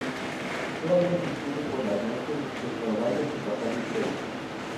Todavía se enciende por las noches recordando su pasado histórico.